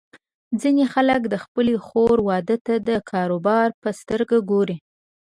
ځینې خلک د خپلې خور واده ته د کاروبار په سترګه ګوري.